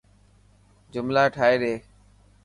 جملا ٺاهي ڏي.